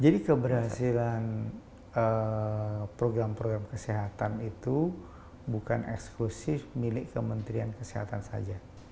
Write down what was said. jadi keberhasilan program program kesehatan itu bukan eksklusif milik kementerian kesehatan saja